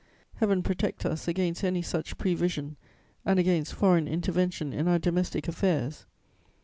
"Heaven protect us against any such prevision and against foreign intervention in our domestic affairs!